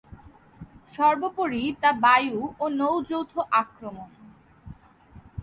সর্বোপরি তা বায়ু ও নৌ যৌথ আক্রমণ।